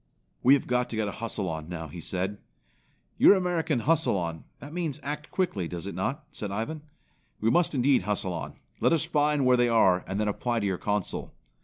"We have got to get a hustle on now," he said. "Your American hustle on; that means act quickly, does it not?" said Ivan. "We must indeed hustle on. Let us find where they are, and then apply to your Consul."